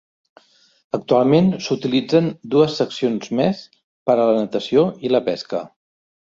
Actualment s'utilitzen dues seccions més per a la natació i la pesca.